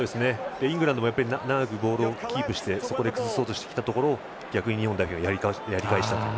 イングランドも長くボールをキープしてそこで崩そうとしてきたところを逆に日本がやり返したと。